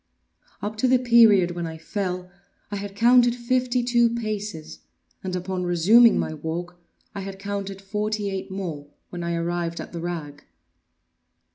Up to the period when I fell I had counted fifty two paces, and upon resuming my walk, I had counted forty eight more—when I arrived at the rag.